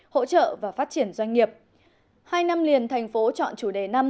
hỗ trợ và phát triển doanh nghiệp hai năm liền thành phố chọn chủ đề năm